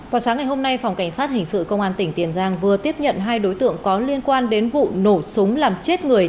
vào sáng ngày hôm nay phòng cảnh sát hình sự công an tỉnh tiền giang vừa tiếp nhận hai đối tượng có liên quan đến vụ nổ súng làm chết người